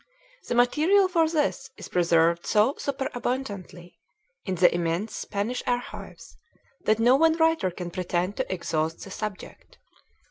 The material for this is preserved so superabundantly in the immense Spanish archives that no one writer can pretend to exhaust the subject.